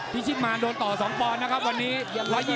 พี่ชิบมารโดนต่อ๒ปอนด์นะครับวันนี้